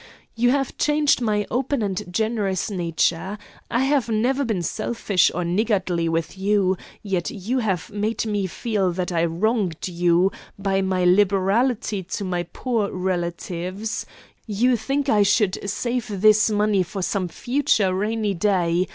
'You have changed my open and generous nature. I have never been selfish or niggardly with you; yet you have made me feel that I wronged you by my liberality to my poor relatives. You think I should save this money for some future rainy day.